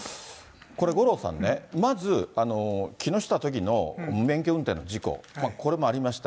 これ、五郎さんね、まず、木下都議の無免許運転の事故、これもありました。